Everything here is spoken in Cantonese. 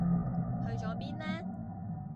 去咗邊呢？